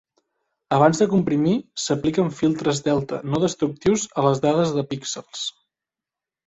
Abans de comprimir, s'apliquen filtres delta no destructius a les dades de píxels.